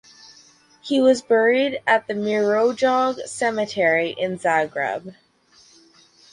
He was buried at the Mirogoj Cemetery in Zagreb.